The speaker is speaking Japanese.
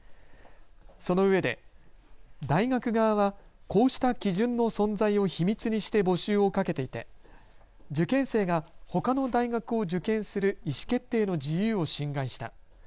そのうえで、大学側はこうした基準の存在を秘密にして募集をかけていて、受験生がほかの大学を受験する意思決定の自由を侵害した。